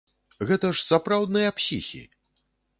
Гэта ж сапраўдныя псіхі!